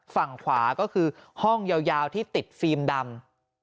ฝั่งขวาก็คือห้องยาวที่ติดฟิล์มดำ